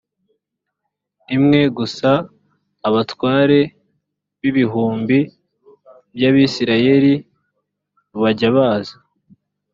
imwe gusa abatware b ibihumbi by abisirayeli bajye baza